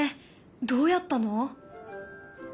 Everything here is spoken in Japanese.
どうやったの？